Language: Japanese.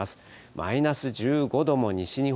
マイナス１５度も西日本、